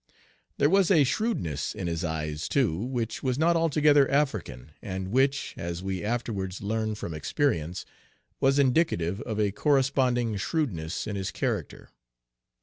There was a shrewdness in his eyes, too, which was not altogether African, and which, as we afterwards learned from experience was indicative of a corresponding shrewdness in his character.